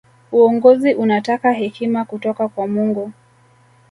uongozi unataka hekima kutoka kwa mungu